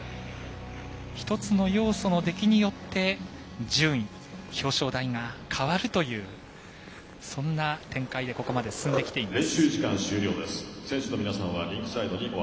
１つの要素の出来によって順位表彰台が変わるというそんな展開でここまで進んできています。